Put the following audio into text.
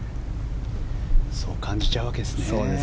そう感じちゃうわけですね。